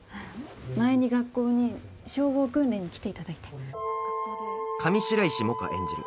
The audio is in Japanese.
前に学校に消防訓練に来ていただいて上白石萌歌演じる